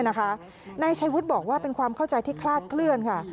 นายชัยวุฒิบอกว่าเป็นความเข้าใจที่คลาดเคลื่อนค่ะ